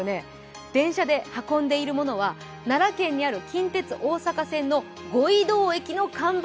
電車で運んでいるものは奈良県にある近鉄大阪線の五位堂駅の看板。